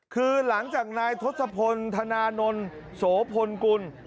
คือหลังจากนายทศพลธนานนท์โสพลกุล